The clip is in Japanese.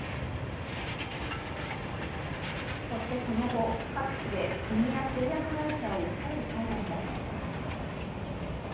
そしてその後、各地で国や製薬会社を訴える裁判も。